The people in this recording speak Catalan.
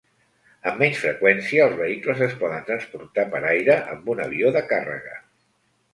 Amb menys freqüència, els vehicles es poden transportar per aire amb un avió de càrrega.